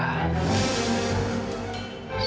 saya akan diam bundares